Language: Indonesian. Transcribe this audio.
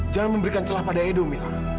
jangan memberikan celah pada edo mila